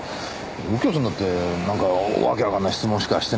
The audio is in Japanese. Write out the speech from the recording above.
右京さんだってなんか訳わかんない質問しかしてないじゃないですか。